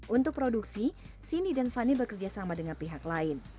untuk produksi cindy dan fani bekerja sama dengan pihak lain